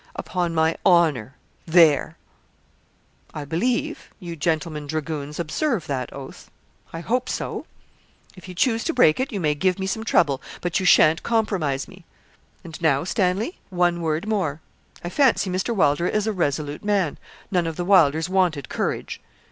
'Upon my honour there.' 'I believe, you gentlemen dragoons observe that oath I hope so. If you choose to break it you may give me some trouble, but you sha'n't compromise me. And now, Stanley, one word more. I fancy Mr. Wylder is a resolute man none of the Wylders wanted courage.'